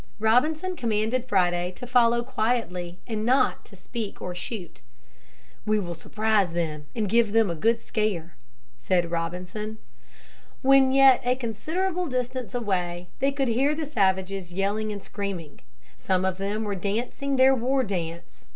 Robinson commanded Friday to follow quietly and not to speak or shoot. "We will surprise them and give them a good scare," said Robinson. When yet a considerable distance away they could hear the savages yelling and screaming. Some of them were dancing their war dance.